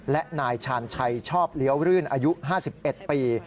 และนายชาญชัยชอบเลี้ยวรื่นอายุ๕๑ปี